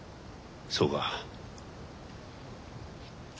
そうか。